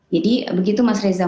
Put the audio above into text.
jadi begitu mas reza